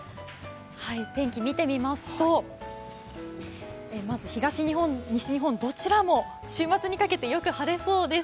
天気見てみますと、まず東日本、西日本、どちらも週末にかけてよく晴れそうです。